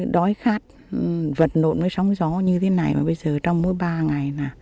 đói khát vật nộn với sóng gió như thế này mà bây giờ trong mỗi ba ngày